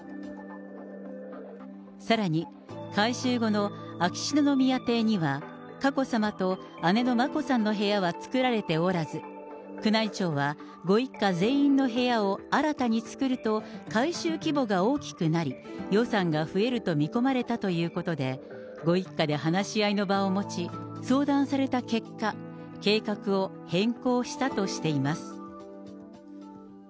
さらに、改修後の秋篠宮邸には、佳子さまと姉の眞子さんの部屋は作られておらず、宮内庁は、ご一家全員の部屋を新たに作ると改修規模が大きくなり、予算が増えると見込まれたということで、ご一家で話し合いの場を持ち、相談された結果、計画を変更したとしています。